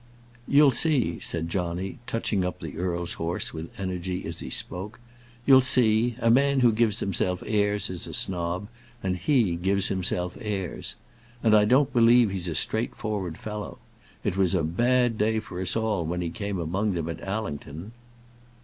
"You'll see," said Johnny, touching up the earl's horse with energy as he spoke. "You'll see. A man who gives himself airs is a snob; and he gives himself airs. And I don't believe he's a straightforward fellow. It was a bad day for us all when he came among them at Allington."